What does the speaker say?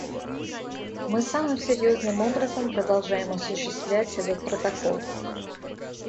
Мы самым серьезным образом продолжаем осуществлять этот Протокол.